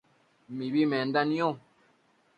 mibi menda nio